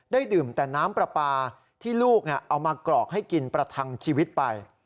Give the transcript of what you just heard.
ดื่มแต่น้ำปลาปลาที่ลูกเอามากรอกให้กินประทังชีวิตไป